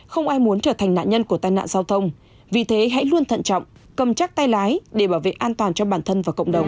không ai muốn trở thành nạn nhân của tai nạn giao thông vì thế hãy luôn thận trọng cầm chắc tay lái để bảo vệ an toàn cho bản thân và cộng đồng